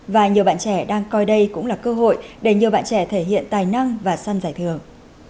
và nhiều bạn trẻ đang coi đây cũng là cơ hội để nhiều bạn trẻ thể hiện tài năng và săn giải thưởng